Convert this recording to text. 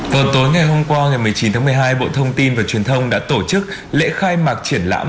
vào tối ngày hôm qua ngày một mươi chín tháng một mươi hai bộ thông tin và truyền thông đã tổ chức lễ khai mạc triển lãm